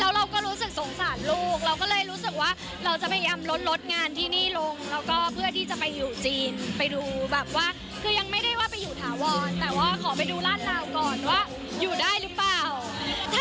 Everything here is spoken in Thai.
เราก็รู้สึกสงสารลูกเราก็เลยรู้สึกว่าเราจะพยายามลดงานที่นี่ลงแล้วก็เพื่อที่จะไปอยู่จีนไปดูแบบว่าคือยังไม่ได้ว่าไปอยู่ถาวรแต่ว่าขอไปดูลาดราวก่อนว่าอยู่ได้หรือเปล่า